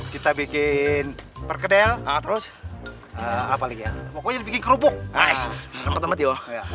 kita bikin perkedel terus apa lagi ya